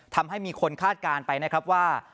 ทำให้มีคนคาดการณ์ไปนะครับว่า